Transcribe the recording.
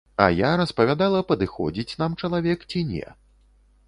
А я распавядала падыходзіць нам чалавек, ці не.